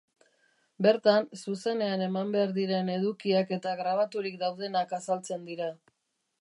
Bertan, zuzenean eman behar diren edukiak eta grabaturik daudenak azaltzen dira.